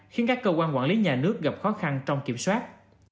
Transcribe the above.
khiến các cơ quan quản lý nhà nước gặp khó khăn trong kiểm soát